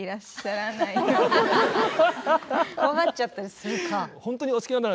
怖がっちゃったりするか。